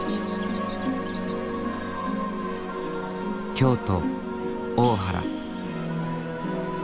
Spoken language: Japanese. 京都・大原。